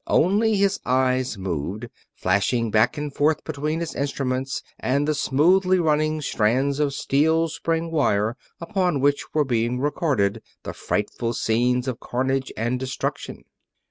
Only his eyes moved; flashing back and forth between his instruments and the smoothly running strands of spring steel wire upon which were being recorded the frightful scenes of carnage and destruction.